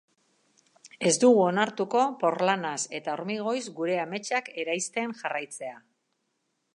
Ez dugu onartuko porlanaz eta hormigoiz gure ametsak eraisten jarraitzea.